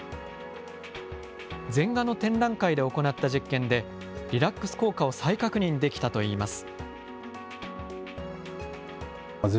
禅画の展覧会で行った実験で、リラックス効果を再確認できたといいます。